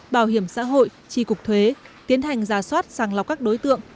bảo hiểm xã hội tri cục thuế tiến hành giả soát sàng lọc các đối tượng